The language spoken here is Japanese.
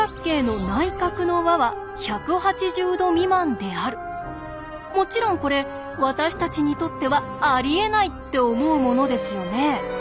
例えばもちろんこれ私たちにとっては「ありえない！」って思うものですよね。